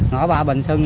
ngõ ba bình xuân